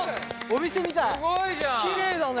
お店みたいだよ。